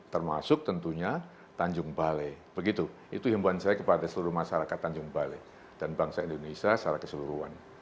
termasuk tentunya tanjung balai begitu itu himbuan saya kepada seluruh masyarakat tanjung balai dan bangsa indonesia secara keseluruhan